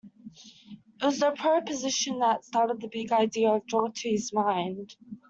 It was this proposition that started the big idea in Daughtry's mind.